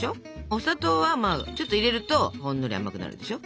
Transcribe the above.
お砂糖はちょっと入れるとほんのり甘くなるでしょ。